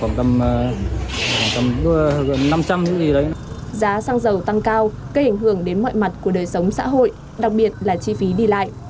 giá xăng dầu tăng cao gây ảnh hưởng đến mọi mặt của đời sống xã hội đặc biệt là chi phí đi lại